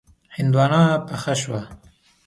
هندواڼه پخه شوه.